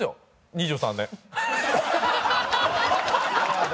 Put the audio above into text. ２３年。